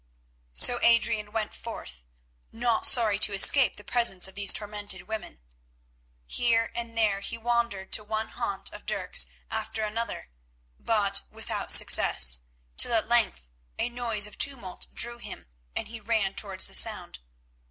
So Adrian went forth, not sorry to escape the presence of these tormented women. Here and there he wandered to one haunt of Dirk's after another, but without success, till at length a noise of tumult drew him, and he ran towards the sound.